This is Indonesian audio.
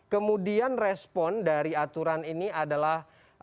kemudian respon dari aturan ini adalah